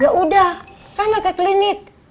ya udah sana ke klinik